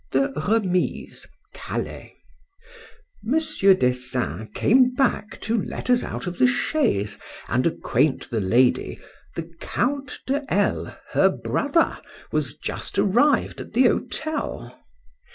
THE REMISE. CALAIS. MONSIEUR DESSEIN came back to let us out of the chaise, and acquaint the lady, the count de L—, her brother, was just arrived at the hotel.